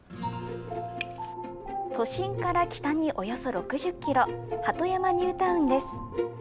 都心から北におよそ６０キロ、鳩山ニュータウンです。